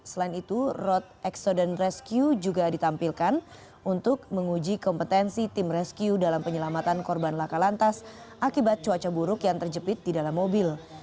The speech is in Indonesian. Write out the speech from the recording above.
selain itu road accedent rescue juga ditampilkan untuk menguji kompetensi tim rescue dalam penyelamatan korban laka lantas akibat cuaca buruk yang terjepit di dalam mobil